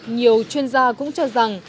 nhiều chuyên gia cũng cho rằng